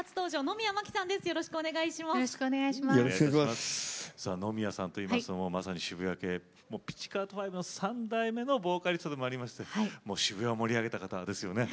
野宮さんといいますともうまさに渋谷系ピチカート・ファイヴの３代目のボーカリストでもありまして渋谷を盛り上げた方ですよね。